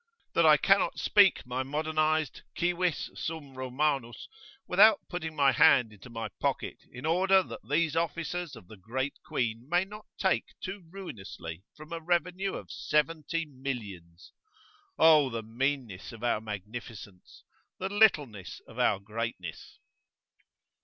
That I cannot speak my modernised "civis sum Romanus" without putting my hand into my pocket, in order that these officers of the Great Queen may not take too ruinously from a revenue of seventy millions! O the meanness of our magnificence! the littleness of our greatness!